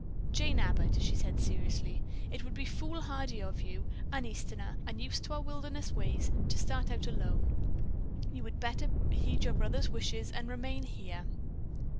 "Jane Abbott," she said seriously, "it would be foolhardy for you, an Easterner, unused to our wilderness ways, to start out alone. You would better heed your brother's wishes and remain here."